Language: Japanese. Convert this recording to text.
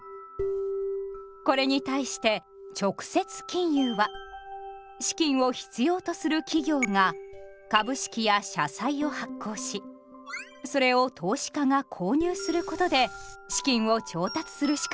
これに対して直接金融は資金を必要とする企業が株式や社債を発行しそれを投資家が購入することで資金を調達するしくみです。